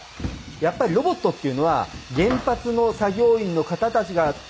やっぱりロボットっていうのは原発の作業員の方たちが使ってなんぼ。